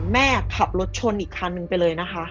แม่ขับรถชนอีกคันนึงไปเลยนะคะ